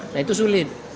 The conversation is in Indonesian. nah itu sulit